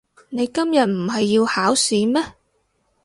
你今日唔係要考試咩？